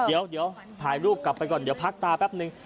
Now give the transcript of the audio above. เดี๋ยวถ่ายรูปกลับไปก่อนเดี๋ยวพักตาแป๊บนึง